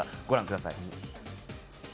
ご覧ください。